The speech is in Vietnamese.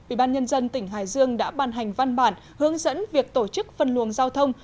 ubnd tỉnh hải dương đã ban hành văn bản hướng dẫn việc tổ chức phân luồng giao thông